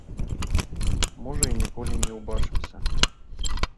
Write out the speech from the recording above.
Можа, й ніколі не ўбачымся.